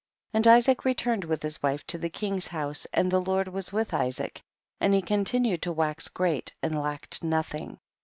And Isaac returned with his wife to the king's house, and the Lord was with Isaac and he continued to wax great and lacked nothing.